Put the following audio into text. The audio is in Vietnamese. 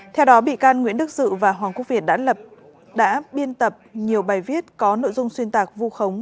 theo đó bị can nguyễn đức dự và hoàng quốc việt đã biên tập nhiều bài viết có nội dung xuyên tạc vu khống